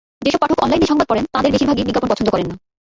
যেসব পাঠক অনলাইনে সংবাদ পড়েন, তাঁদের বেশির ভাগই বিজ্ঞাপন পছন্দ করেন না।